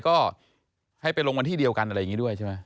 ก็ให้ไปลงวันที่เดียวกันอะไรอย่างนี้ด้วยใช่ไหม